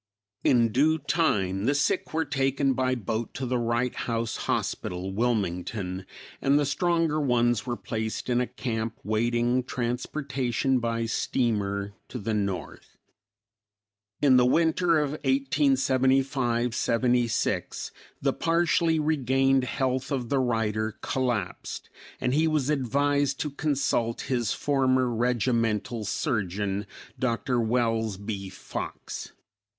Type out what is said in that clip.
In due time, the sick were taken by boat to the Wright House Hospital, Wilmington, and the stronger ones were placed in a camp waiting transportation by steamer to the north. In the winter of 1875 76, the partially regained health of the writer collapsed, and he was advised to consult his former regimental surgeon, Dr. Wells B. Fox.